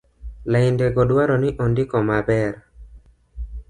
laindego dwaro ni indiko maber